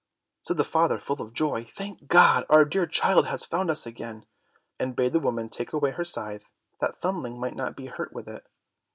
Said the father, full of joy, "Thank God, our dear child has found us again," and bade the woman take away her scythe, that Thumbling might not be hurt with it.